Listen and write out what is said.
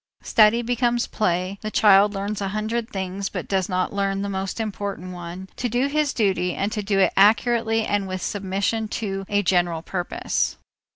Study becomes play, the child learns a hundred things but does not learn the most important one, to do his duty and to do it accurately and with submission to a general purpose.